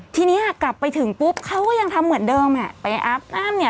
ทีนี้กลับไปถึงปุ๊บเขาก็ยังทำเหมือนเดิมอ่ะไปอัพอมเนี่ย